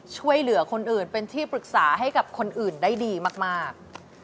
ช่วยเหลือคนอื่นเป็นที่ปรึกษาให้กับคนอื่นได้ดีมาก